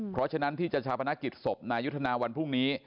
เพราะฉะนั้นที่จะชาวพนักกิจศพนายุทธนาวันพรุ่งนี้